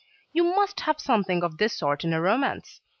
You must have something of this sort in a romance.